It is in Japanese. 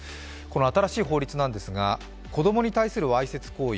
新しい法律ですが、子供に対するわいせつ行為